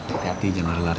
hati hati jangan lari lari